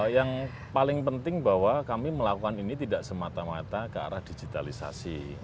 yang paling penting bahwa kami melakukan ini tidak semata mata ke arah digitalisasi